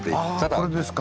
あこれですか。